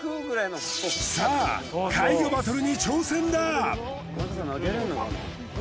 さあ怪魚バトルに挑戦だ。